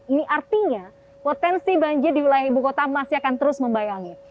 ini artinya potensi banjir di wilayah ibu kota masih akan terus membayangi